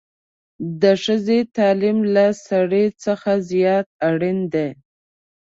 د ښځې تعليم له سړي څخه زيات اړين دی